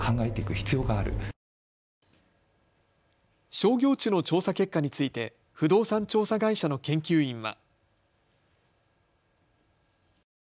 商業地の調査結果について不動産調査会社の研究員は。